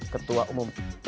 ketua umum p tiga